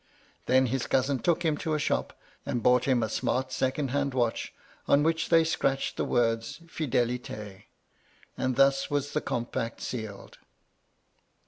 Then his cousin took him to a shop, and bought him a smart second hand MY LADY LUDLOW. 161 watch, on which they scratched the word Fidelite, and thus was the compact sealed.